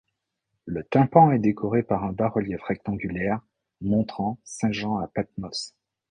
Le tympan est décoré par un bas-relief rectangulaire montrant saint Jean à Patmos.